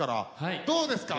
どうですか？